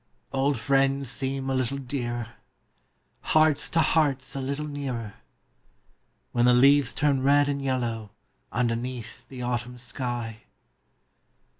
d Old 'friends seem a little dearer; Hearts to Hearts a little nearer, ( ADhen the leases turn red and Ljello^ Underneath the Autumn shij.